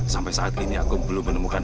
sampai saat ini aku belum menemukan